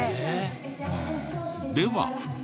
では。